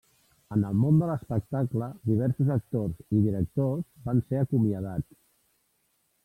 En el món de l'espectacle, diversos actors i directors van ser acomiadats.